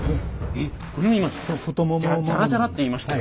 えっこれ今ジャラジャラっていいましたよ。